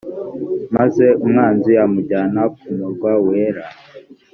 maze umwanzi amujyana ku murwa wera